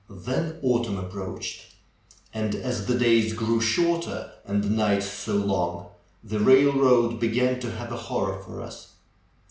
Then autumn approached. And as the days grew shorter, and the nights so long, the railroad began to have a horror for us.